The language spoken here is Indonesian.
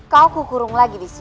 kau ku kurung lagi disini